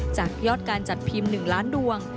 จากยอดการจัดพิมพ์๑ล้านดวง